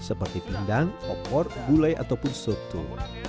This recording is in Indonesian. seperti pindang pokor gulai ataupun sotu